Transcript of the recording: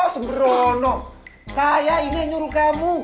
sebenarnya saya ini yang nyuruh kamu